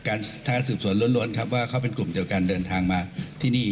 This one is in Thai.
ทางสืบสวนล้วนครับว่าเขาเป็นกลุ่มเดียวกันเดินทางมาที่นี่